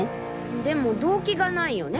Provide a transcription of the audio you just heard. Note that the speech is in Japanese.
でも動機がないよね。